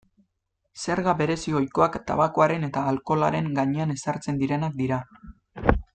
Zerga berezi ohikoak tabakoaren eta alkoholaren gainean ezartzen direnak dira.